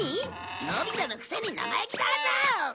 のび太のくせに生意気だぞ！